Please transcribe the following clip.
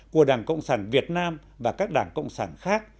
của đảng cộng sản việt nam và các đảng cộng sản khác